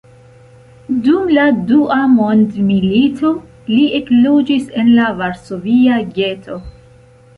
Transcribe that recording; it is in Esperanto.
Dum la dua mondmilito li ekloĝis en la varsovia geto.